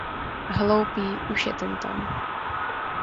Hloupý, už je tentam.